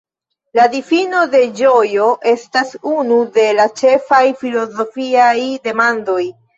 La difino de ĝojo estas unu de la ĉefaj filozofiaj demandoj.